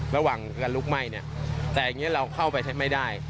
ระหว่างการลุกไหม้เนี่ยแต่อย่างนี้เราเข้าไปไม่ได้